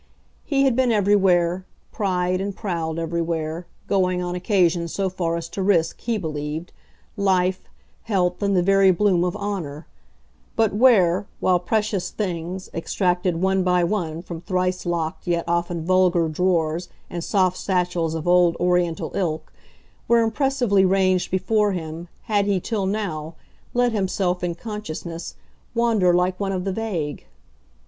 He had been everywhere, pried and prowled everywhere, going, on occasion, so far as to risk, he believed, life, health and the very bloom of honour; but where, while precious things, extracted one by one from thrice locked yet often vulgar drawers and soft satchels of old oriental ilk, were impressively ranged before him, had he, till now, let himself, in consciousness, wander like one of the vague?